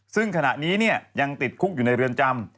ซึ่งขณะนี้ยังติดคุกอยู่ในเรือนจำ